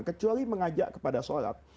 kecuali mengajak kepada sholat